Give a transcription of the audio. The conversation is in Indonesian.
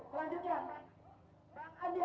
pak andian nafi soekarno